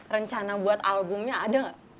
rencana buat albumnya ada nggak